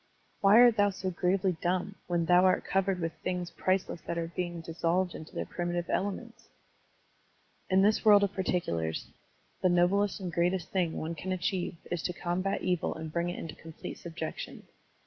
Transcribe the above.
Why art thou so gravely dumb, when thou art covered with things priceless that are being dissolved into their primitive elements? In this world of particulars, the noblest and Digitized by Google AT THE BATTLE OP NAN SHAN HILL 201 greatest thing one can achieve is to combat evil and bring it into complete subjection.